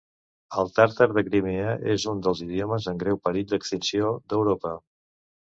El tàrtar de Crimea és un dels idiomes en greu perill d'extinció d'Europa.